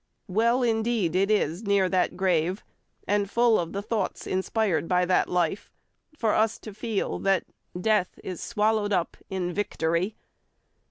Well, indeed, is it near that grave, and full of the thoughts inspired by that life, for us to feel that "Death is swallowed up in victory."